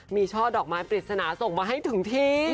มีช่อดอกไม้ปริศนาส่งมาให้ถึงที่